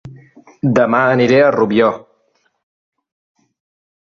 Dema aniré a Rubió